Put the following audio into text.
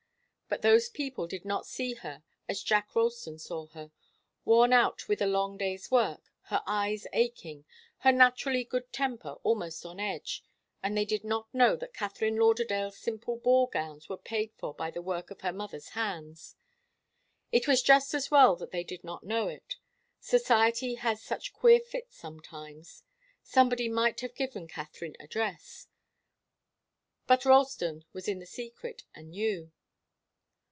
But those people did not see her as Jack Ralston saw her, worn out with a long day's work, her eyes aching, her naturally good temper almost on edge; and they did not know that Katharine Lauderdale's simple ball gowns were paid for by the work of her mother's hands. It was just as well that they did not know it. Society has such queer fits sometimes somebody might have given Katharine a dress. But Ralston was in the secret and knew.